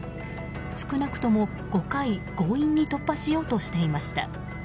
少なくとも５回、強引に突破しようとしていました。